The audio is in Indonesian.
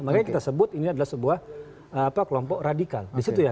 makanya kita sebut ini adalah sebuah kelompok radikal